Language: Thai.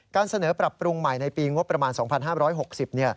เสนอปรับปรุงใหม่ในปีงบประมาณ๒๕๖๐